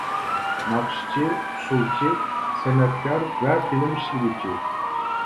ناخشىچى، ئۇسسۇلچى، سەنئەتكار ۋە فىلىم ئىشلىگۈچى.